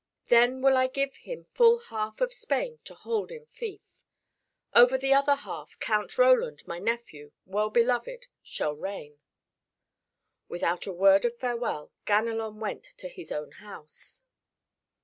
Then will I give him full half of Spain to hold in fief. Over the other half Count Roland, my nephew, well beloved, shall reign." Without a word of farewell Ganelon went to his own house.